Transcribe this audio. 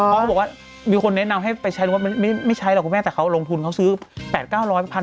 เพราะบอกว่ามีคนแนะนำให้ไปใช้ไม่ใช่หรอกคุณแม่แต่เขาลงทุนเขาซื้อ๘๙๐๐บาทเป็น๑๐๐๐บาท